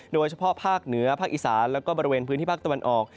โดยเฉพาะภาคเหนือภาคอีสานแล้วก็บริเวณพื้นที่ภาคตะวันออก